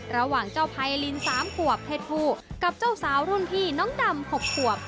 ระหว่างเจ้าไพริน๓ขวบเพศผู้กับเจ้าสาวรุ่นพี่น้องดำ๖ขวบ